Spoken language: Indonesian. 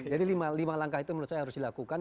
jadi lima langkah itu menurut saya harus dilakukan